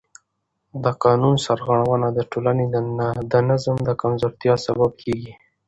د قانون سرغړونه د ټولنې د نظم د کمزورتیا سبب کېږي